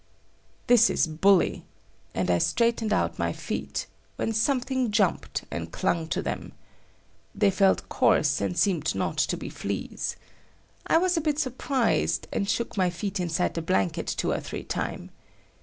"This is bully!" and I straightened out my feet, when something jumped and clung to them. They felt coarse, and seemed not to be fleas. I was a bit surprised, and shook my feet inside the blanket two or three times.